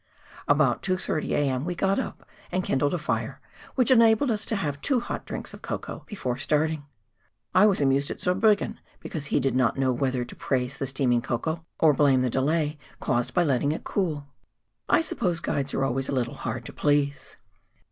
About 2.30 a.m. we got up and kindled a fire, which enabled us to have two hot drinks of cocoa before starting ; I was amused at Zurbriggen, because he did not know whether to praise the steaming cocoa, or blame the delay caused by letting it cool ! I suppose guides are always a little hard to please.